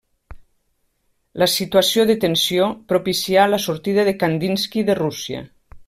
La situació de tensió propicià la sortida de Kandinski de Rússia.